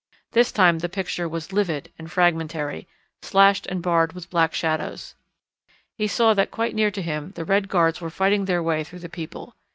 This time the picture was livid and fragmentary, slashed and barred with black shadows. He saw that quite near to him the red guards were fighting their way through the people.